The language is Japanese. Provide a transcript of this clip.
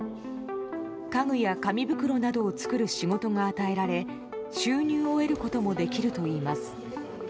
家具や紙袋などを作る仕事が与えられ収入を得ることもできるといいます。